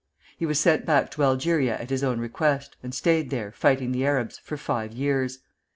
He was sent back to Algeria at his own request, and stayed there, fighting the Arabs, for five years.